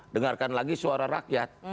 dengarkan lagi suara rakyat